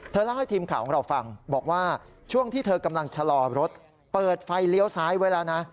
เล่าให้ทีมข่าวของเราฟังบอกว่าช่วงที่เธอกำลังชะลอรถเปิดไฟเลี้ยวซ้ายไว้แล้วนะ